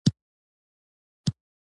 که ژوند مهلت راکړ دغه کار به وکړم.